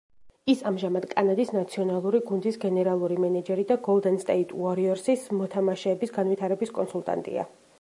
ის ამჟამად კანადის ნაციონალური გუნდის გენერალური მენეჯერი და გოლდენ სტეიტ უორიორსის მოთამაშეების განვითარების კონსულტანტია.